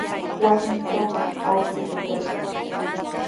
Wasintrawmi awkilluu kaykan.